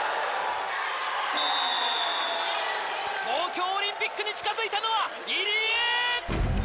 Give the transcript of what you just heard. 東京オリンピックに近づいたのは、入江。